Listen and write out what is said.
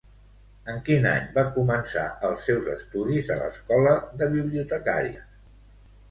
En quin any va començar els seus estudis a l'Escola de Bibliotecàries?